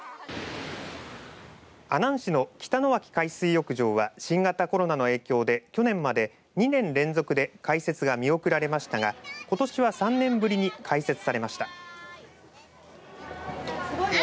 阿南市の北の脇海水浴場は新型コロナの影響で去年まで２年連続で開設が見送られましたがことしは３年ぶりに開設されました。